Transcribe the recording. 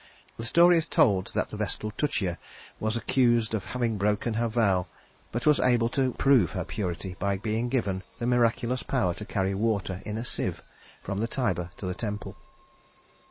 The story is told that the Vestal Tuccia was accused of having broken her vow, but was able to prove her purity, by being given the miraculous power to carry water in a sieve from the Tiber to the temple.